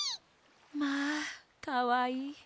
まあかわいい。